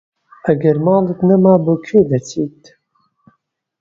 ئەگەر ماڵت نەما بۆ کوێ دەچیت؟